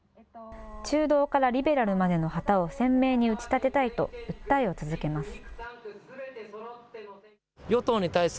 中道からリベラルまでの旗を鮮明に打ち立てたいと、訴えを続けます。